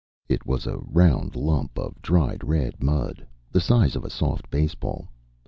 It was a round lump of dried red mud, the size of a soft baseball.